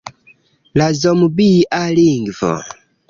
La zombia lingvo.